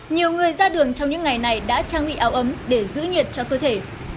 nhiều người ra đường trong những ngày này đã trang bị áo ấm để giữ nhiệt cho cơ thể